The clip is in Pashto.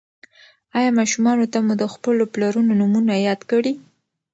ایا ماشومانو ته مو د خپلو پلرونو نومونه یاد کړي؟